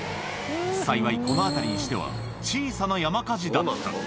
幸い、この辺りにしては小さな山火事だった。